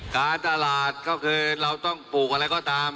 การตลาดก็คือเราต้องปลูกอะไรก็ตาม